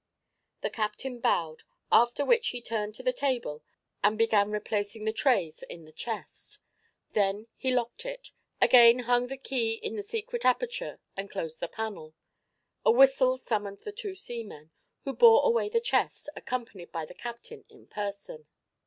The captain bowed, after which he turned to the table and began replacing the trays in the chest. Then he locked it, again hung the key in the secret aperture and closed the panel. A whistle summoned the two seamen, who bore away the chest, accompanied by the captain in person.